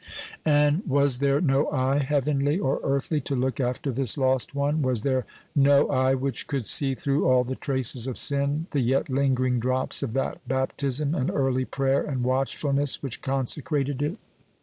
And was there no eye, heavenly or earthly, to look after this lost one? Was there no eye which could see through all the traces of sin, the yet lingering drops of that baptism and early prayer and watchfulness which consecrated it?